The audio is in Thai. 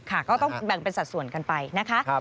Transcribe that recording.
ก็ต้องแบ่งเป็นสัดส่วนกันไปนะคะ